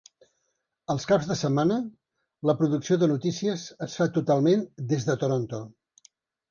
Als caps de setmana la producció de notícies es fa totalment des de Toronto.